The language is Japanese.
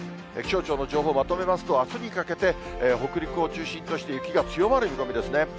気象庁の情報をまとめますと、あすにかけて北陸を中心として雪が強まる見込みですね。